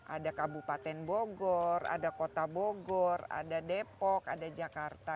ada kabupaten bogor ada kota bogor ada depok ada jakarta